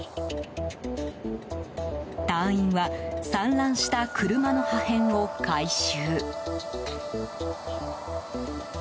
隊員は散乱した車の破片を回収。